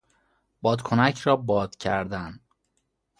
بادکنک را باد کردن